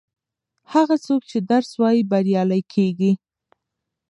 هغه څوک چې درس وايي بریالی کیږي.